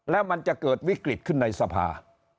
แล้วมันจะเกิดวิกฤตขึ้นในสภา